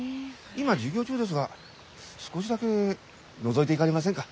今授業中ですが少しだけのぞいていかれませんか？